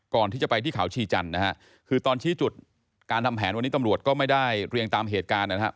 ก่อนที่จะไปที่เขาชีจันทร์นะฮะคือตอนชี้จุดการทำแผนวันนี้ตำรวจก็ไม่ได้เรียงตามเหตุการณ์นะครับ